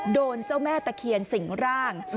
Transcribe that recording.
โดนเจ้าแม่ตะเคียนสิ่งร่าง